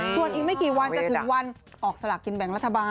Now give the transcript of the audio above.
ส่วนอีกไม่กี่วันจะถึงวันออกสลากกินแบ่งรัฐบาล